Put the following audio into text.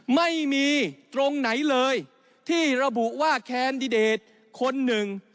ไม่มีตรงไหนเลยที่ระบุว่าแคนดิเดตคนหนึ่ง